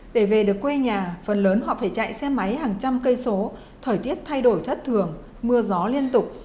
để về được quê nhà phần lớn họ phải chạy xe máy hàng trăm cây số thời tiết thay đổi thất thường mưa gió liên tục